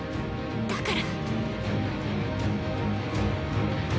だから。